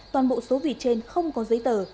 toàn bộ số vịt trên không có giấy tờ